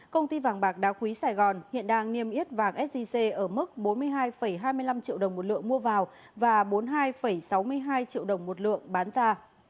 công ty vàng bạc đa quý sài gòn hiện đang niêm yết vàng sgc ở mức bốn mươi hai hai mươi năm triệu đồng một lượng mua vào và bốn mươi hai sáu mươi hai triệu đồng một lượng bán ra